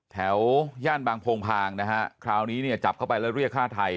แถวย่านบังพลงพางนะครับคราวนี้เจอไปแล้วเรียกฆ่าไทย